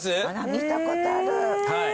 見たことある。